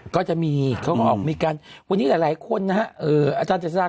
ก็จะมีเขาก็ออกมีกันวันนี้หลายหลายคนนะฮะเอ่ออาจารย์จริงจริง